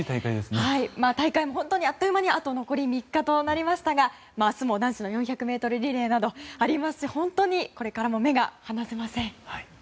大会も本当にあっという間にあと残り３日となりましたが明日も男子の４００ｍリレーなどありますし、これからも本当に目が離せません。